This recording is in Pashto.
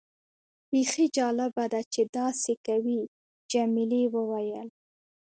بیخي جالبه ده چې داسې کوي. جميلې وويل:.